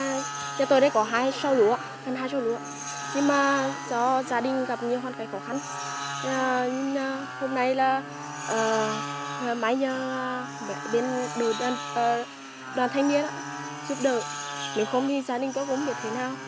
nếu không thì gia đình có vấn đề thế nào